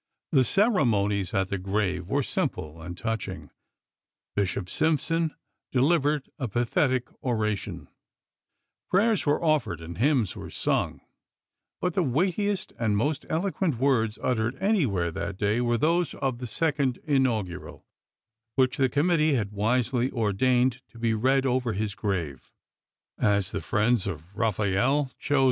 The ceremonies at the grave were simple and touching. Bishop Simpson deliv ered a pathetic oration ; prayers were offered and hymns were sung; but the weightiest and most eloquent words uttered anywhere that day were those of the Second Inaugural, which the com mittee had wisely ordained to be read over his grave, as the friends of Eaphael chose the incom 324 Chap.